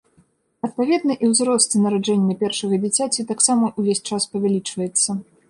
Адпаведна і ўзрост нараджэння першага дзіцяці таксама ўвесь час павялічваецца.